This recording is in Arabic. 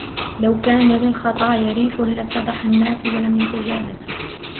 لَوْ كَانَ لِلْخَطَايَا رِيحٌ لَافْتَضَحَ النَّاسُ وَلَمْ يَتَجَالَسُوا